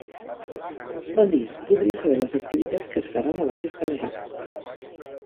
Bon dia, voldria saber les activitats que es faran a la festa major.